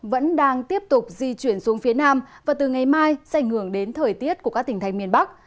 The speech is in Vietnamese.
vẫn đang tiếp tục di chuyển xuống phía nam và từ ngày mai sẽ ảnh hưởng đến thời tiết của các tỉnh thành miền bắc